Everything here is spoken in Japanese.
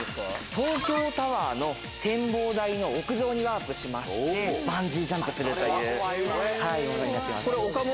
東京タワーの展望台の屋上にワープしまして、バンジージャンプするというものになっておりま